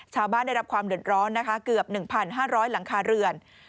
ชาวบ้านได้รับความเหลือร้อนเกือบ๑๕๐๐หลังคาเรือน